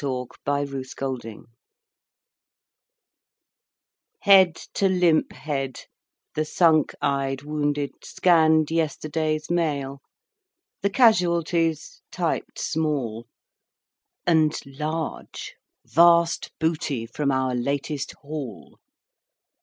Smile, Smile, Smile Head to limp head, the sunk eyed wounded scanned Yesterday's Mail; the casualties (typed small) And (large) Vast Booty from our Latest Haul.